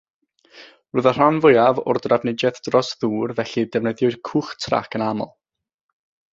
Roedd y rhan fwyaf o'r drafnidiaeth dros ddŵr, felly defnyddiwyd cwch trac yn aml.